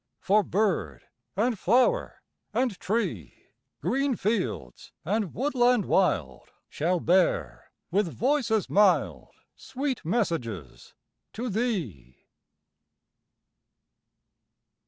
For bird, and flower, and tree, Green fields, and woodland wild, Shall bear, with voices mild, Sweet messages to thee.